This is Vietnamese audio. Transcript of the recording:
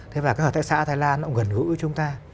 thế và cái hợp tác xã ở thái lan nó gần gũi với chúng ta